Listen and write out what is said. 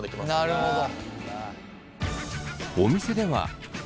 なるほど。